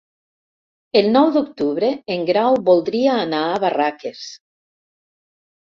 El nou d'octubre en Grau voldria anar a Barraques.